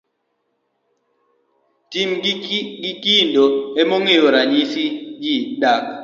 Tim gi kido emane ranyisi kaka ji dak.